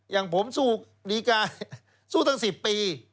อย่างผมสู้ดีกาสู้ตั้ง๑๐ปี